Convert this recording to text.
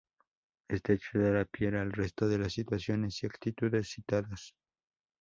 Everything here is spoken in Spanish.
Este hecho dará pie al resto de situaciones y actitudes citadas.